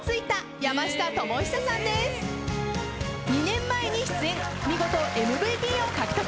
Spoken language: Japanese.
２年前に出演見事ＭＶＰを獲得。